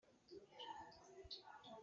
Ils possessuors vegnan eir a pled.